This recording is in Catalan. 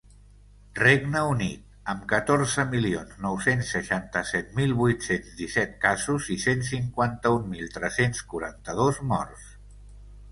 Regne Unit, amb catorze milions nou-cents seixanta-set mil vuit-cents disset casos i cent cinquanta-un mil tres-cents quaranta-dos morts.